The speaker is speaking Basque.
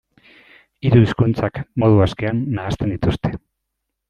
Hiru hizkuntzak modu askean nahasten dituzte.